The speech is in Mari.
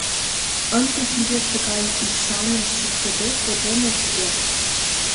Ынде Гивет тыгай ӱшаным шуктыде коден ок керт.